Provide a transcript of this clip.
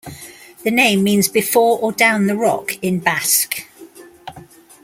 The name means 'before or down the rock' in Basque.